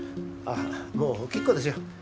あっもう結構ですよ。